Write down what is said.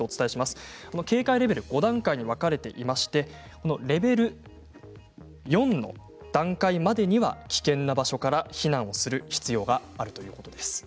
警戒レベル５段階に分かれていましてレベル４の段階までには危険な場所から避難をする必要があるということです。